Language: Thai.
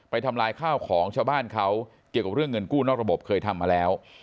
ทำลายข้าวของชาวบ้านเขาเกี่ยวกับเรื่องเงินกู้นอกระบบเคยทำมาแล้ว